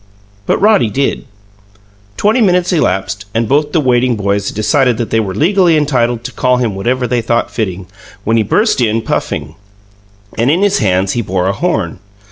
But Roddy did. Twenty minutes elapsed, and both the waiting boys had decided that they were legally entitled to call him whatever they thought fitting, when he burst in, puffing; and in his hands he bore a horn.